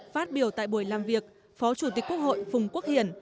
phát biểu tại buổi làm việc phó chủ tịch quốc hội phùng quốc hiển